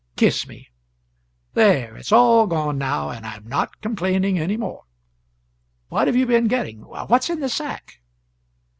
Kiss me there, it's all gone now, and I am not complaining any more. What have you been getting? What's in the sack?"